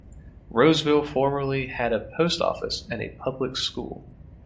Roseville formerly had a post office and a public school.